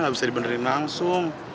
gak bisa dibenderin langsung